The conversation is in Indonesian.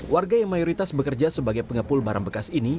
warga yang mayoritas bekerja sebagai pengepul barang bekas ini